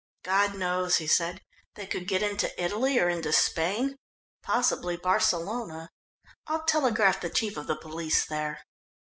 "God knows," he said. "They could get into Italy or into Spain, possibly Barcelona. I will telegraph the Chief of the Police there."